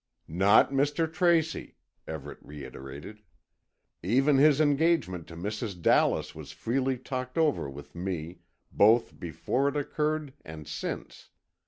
"Not Mr. Tracy," Everett reiterated. "Even his engagement to Mrs. Dallas was freely talked over with me, both before it occurred and since.